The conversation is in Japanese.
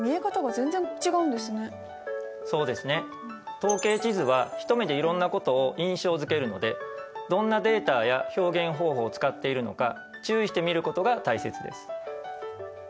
統計地図は一目でいろんなことを印象づけるのでどんなデータや表現方法を使っているのか注意して見ることが大切です。